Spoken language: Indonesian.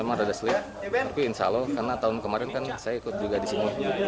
ya memang agak sulit tapi insya allah karena tahun kemarin kan saya ikut juga disini